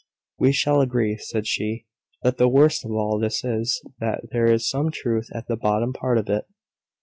"We shall agree," said she, "that the worst of all this is, that there is some truth at the bottom part of it."